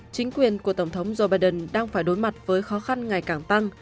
chính quyền của tổng thống joe biden đang phải đối mặt với khó khăn ngày càng tăng